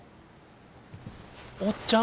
おっちゃん！